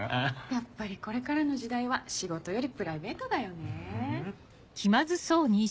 やっぱりこれからの時代は仕事よりプライベートだよね。